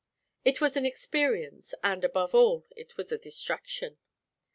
It was an experience, and, above all, it was distraction.